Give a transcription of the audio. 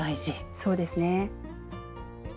そうですね。